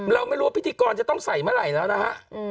เราไม่รู้ว่าพิธีกรจะต้องใส่เมื่อไหร่แล้วนะฮะ